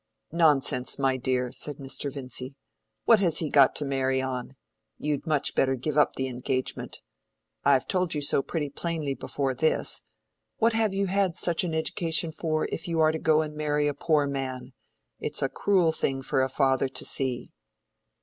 "Nonsense, my dear!" said Mr. Vincy. "What has he got to marry on? You'd much better give up the engagement. I've told you so pretty plainly before this. What have you had such an education for, if you are to go and marry a poor man? It's a cruel thing for a father to see."